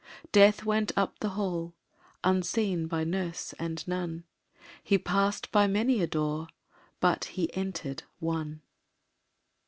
Death went up the hall Unseen by nurse and nun; He passed by many a door But he entered one.